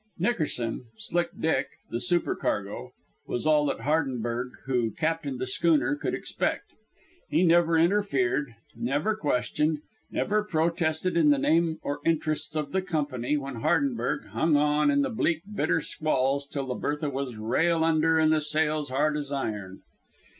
Nickerson Slick Dick, the supercargo was all that Hardenberg, who captained the schooner, could expect. He never interfered, never questioned; never protested in the name or interests of the Company when Hardenberg "hung on" in the bleak, bitter squalls till the Bertha was rail under and the sails hard as iron.